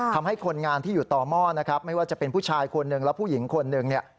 ทำให้คนงานที่อยู่ต่อหม้อนะครับไม่ว่าจะเป็นผู้ชายคนหนึ่งและผู้หญิงคนหนึ่งเนี่ย